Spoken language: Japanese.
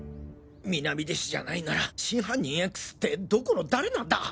南出氏じゃないなら真犯人Ｘってどこの誰なんだ！？